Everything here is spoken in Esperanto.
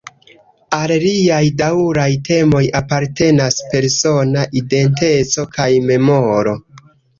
Al liaj daŭraj temoj apartenas persona identeco kaj memoro.